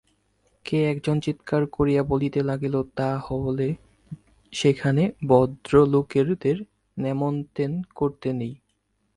কে একজন চিৎকার করিয়া বলিতে লাগিল-তা হলে সেখানে ভদরলোকেদের নেমস্তেন্ন করতে নেই।